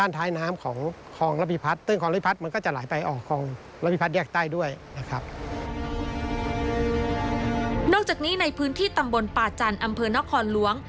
นอกจากนี้ในพื้นที่ตำบลป่าจันทร์อำเภอนครหลวง